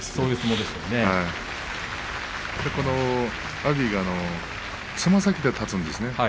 阿炎がつま先で立つんですね。